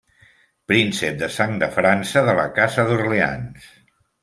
Príncep de sang de França de la casa d'Orleans.